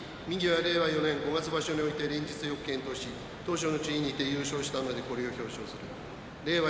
令和４年五月場所において連日よく健闘し頭書の地位にて優勝したのでこれを表彰する令和